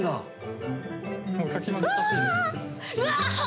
うわ！